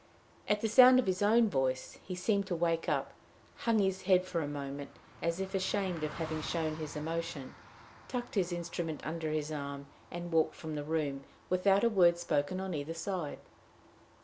At the sound of his own voice, he seemed to wake up, hung his head for a moment, as if ashamed of having shown his emotion, tucked his instrument under his arm, and walked from the room, without a word spoken on either side.